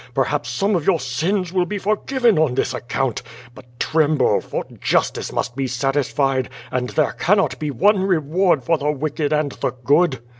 Perhaps some of your sins will be for given on this account. 15ut tremble, for justice must be satisfied, and there cannot be one reward for the wicked and the good!"